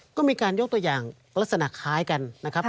ก็มีการยกตัวอย่างลักษณะคล้ายกันนะครับ